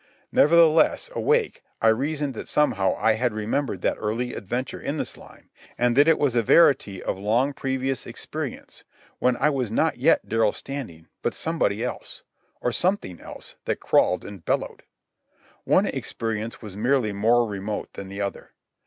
Nevertheless, awake, I reasoned that somehow I had remembered that early adventure in the slime, and that it was a verity of long previous experience, when I was not yet Darrell Standing but somebody else, or something else that crawled and bellowed. One experience was merely more remote than the other.